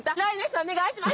お願いします。